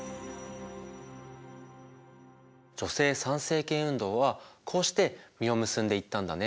女性参政権運動はこうして実を結んでいったんだね。